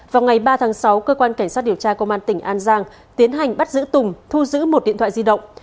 vào ngày ba tháng sáu cơ quan cảnh sát điều tra công an tỉnh an giang tiến hành bắt giữ tùng thu giữ một điện thoại di động